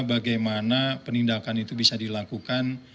bagaimana penindakan itu bisa dilakukan